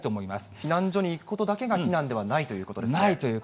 避難所に行くことだけが避難ないということですね。